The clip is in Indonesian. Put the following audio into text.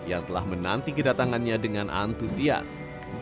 yang telah menanti kedatangannya dengan antusias